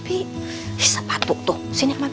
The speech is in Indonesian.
berarti aden mau cerita tentang kesusahan sama bibi